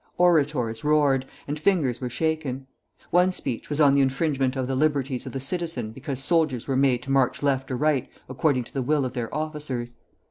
Orators roared, and fingers were shaken. One speech was on the infringement of the liberties of the citizen because soldiers were made to march left or right according to the will of their officers.